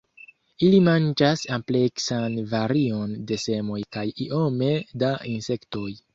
Ili manĝas ampleksan varion de semoj kaj iome da insektoj.